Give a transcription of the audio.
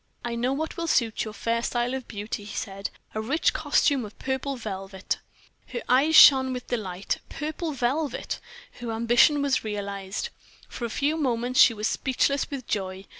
"I know what will suit your fair style of beauty," he said; "a rich costume of purple velvet." Her eyes shone with delight purple velvet! her ambition was realized. For a few moments she was speechless with joy.